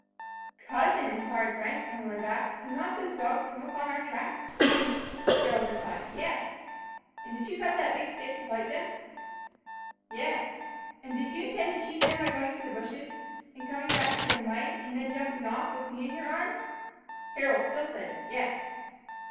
"Cousin," inquired Frank, on their way back, "did not those dogs come upon our track!" Harold replied, "Yes." "And did you cut that big stick to fight them?" "Yes." "And did you intend to cheat them by going into the bushes, and coming back the same way, and then jumping off, with me in your arms?" Harold still said, "Yes."